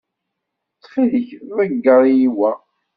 Ttxil-k, ḍeyyer-iyi wa.